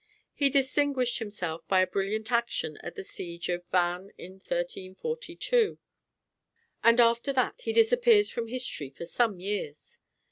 He distinguished himself by a brilliant action at the siege of Vannes in 1342; and after that he disappears from history for some years.